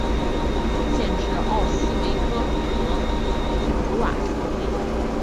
县治奥斯威戈和普瓦斯基。